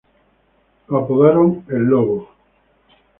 Fue apodado El Lobo.